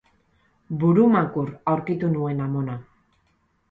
Burumakur aurkitu nuen amona